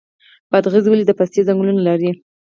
بادغیس ولې د پستې ځنګلونه لري؟